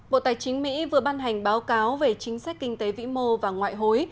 bộ tài chính mỹ vừa ban hành báo cáo về chính sách kinh tế vĩ mô và ngoại hối